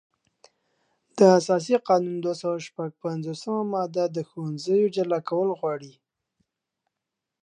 د اساسي قانون دوه سوه شپږ پنځوسمه ماده د ښوونځیو جلا کول غواړي.